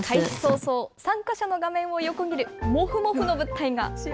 開始早々、参加者の画面を横切るもふもふの物体が。